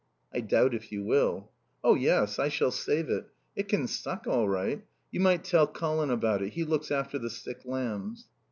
"I doubt if you will." "Oh yes, I shall save it. It can suck all right. You might tell Colin about it. He looks after the sick lambs."